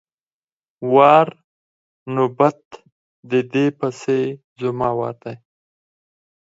وار= نوبت، د دې پسې زما وار دی!